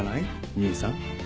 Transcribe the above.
兄さん。